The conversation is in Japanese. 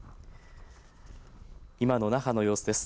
今の那覇の様子です。